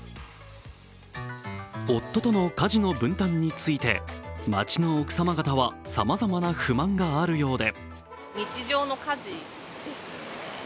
夫との家事の分担について、街の奥様方はさまざまな不満があるようで。